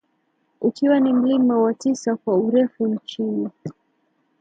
ukiwa ni mlima wa tisa kwa urefu nchini